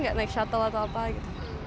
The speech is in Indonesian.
pernah gak naik shuttle atau apa gitu